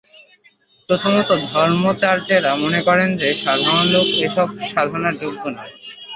প্রথমত ধর্মাচার্যেরা মনে করেন যে, সাধারণ লোক এ-সব সাধনার যোগ্য নয়।